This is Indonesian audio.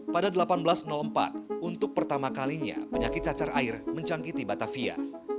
pada seribu delapan ratus empat untuk pertama kalinya penyakit cacar air mencangkiti batavia